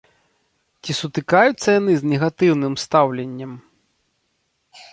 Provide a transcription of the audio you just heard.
Ці сутыкаюцца яны з негатыўным стаўленнем?